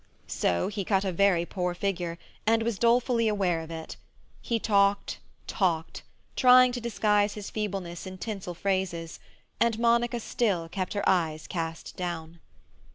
So he cut a very poor figure, and was dolefully aware of it. He talked, talked; trying to disguise his feebleness in tinsel phrases; and Monica still kept her eyes cast down.